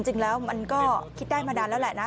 จริงแล้วมันก็คิดได้มานานแล้วแหละนะ